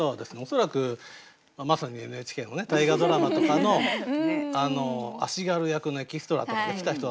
恐らくまさにＮＨＫの大河ドラマとかの足軽役のエキストラとかで来た人だと思うんですけどもね